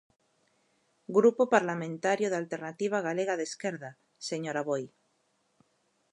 Grupo Parlamentario da Alternativa Galega de Esquerda, señor Aboi.